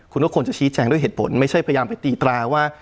คุณก็ควรจะชี้แจงด้วยเหตุผลไม่ใช่พยายามไปตีตราว่า